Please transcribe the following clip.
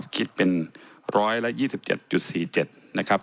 คิดเป็น๑๒๗๔๗นะครับ